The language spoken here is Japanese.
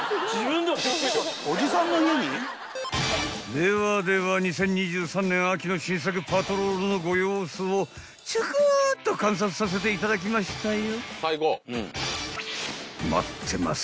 ［ではでは２０２３年秋の新作パトロールのご様子をチョコっと観察させていただきましたよ］